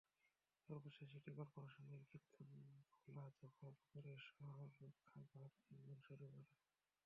সর্বশেষ city corporation Kirtankhola দখল করে শহর রক্ষা বাঁধ নির্মাণ শুরু করে।